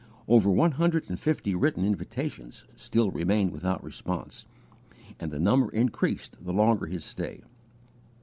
Over one hundred and fifty written invitations still remained without response, and the number increased the longer his stay.